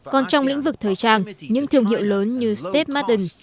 còn trong lĩnh vực thời trang những thường hiệu lớn như steve martin